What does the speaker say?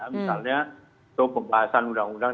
misalnya untuk pembahasan undang undang